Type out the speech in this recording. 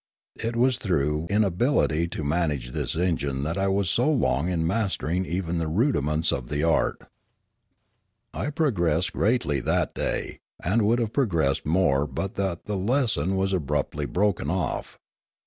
It was through inability to manage this engine that I was so long in mastering even the rudiments of the art. A Catastrophe 159 I progressed greatly that day, and would have pro gressed more but that the lesson was abruptly broken off.